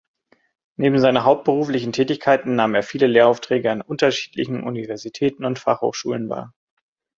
Neben seinen hauptberuflichen Tätigkeiten nahm er viele Lehraufträge an unterschiedlichen Universitäten und Fachhochschulen wahr.